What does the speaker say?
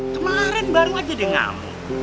kemarin baru aja deh ngomong